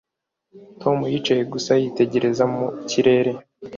Tom yicaye gusa yitegereza mu kirere